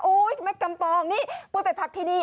โอ้โฮแม่กำปองนี่พูดไปพักที่นี่